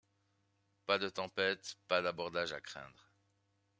Pas de tempêtes, pas d’abordages à craindre.